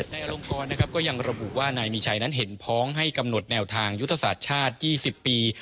นายอลงกรนะครับก็ยังระบุว่านายมีชัยนั้นเห็นพ้องให้กำหนดแนวทางยุทธศาสตร์ชาติ๒๐ปี